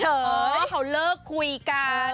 ให้เขาเลิกคุยกัน